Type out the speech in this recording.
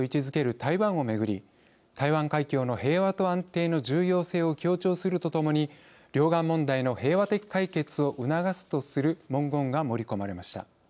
台湾をめぐり「台湾海峡の平和と安定の重要性を強調するとともに両岸問題の平和的解決を促す」とする文言が盛り込まれました。